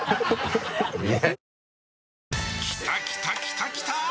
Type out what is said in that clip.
きたきたきたきたー！